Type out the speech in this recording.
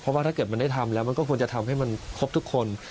เพราะว่าถ้าเกิดมันได้ทำแล้วมันก็ควรจะทำให้มันครบทุกคน